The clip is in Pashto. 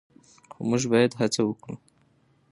خو موږ باید هڅه وکړو.